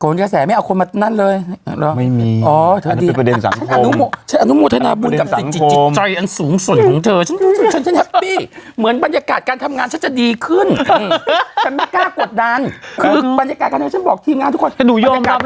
งเอาคนกระแสไหมมานั่นหรอ